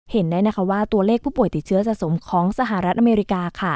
เห็นได้นะคะว่าตัวเลขผู้ป่วยติดเชื้อสะสมของสหรัฐอเมริกาค่ะ